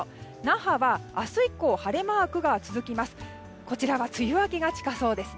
那覇は明日以降晴れマークが続きます。